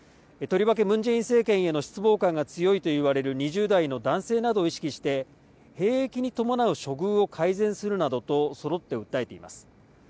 とりわけムン政権への失望感が強いといわれる２０代の男性などを意識して兵役に伴う処遇を改善するなどとそろって訴えています。